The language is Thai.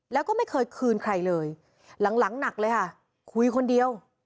แล้วก็ไม่เคยคืนใครเลยหลังหนักเลยค่ะคุยคนเดียว